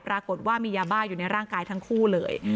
ปรากฏว่ามียาบ้าอยู่ในร่างกายทั้งคู่เลย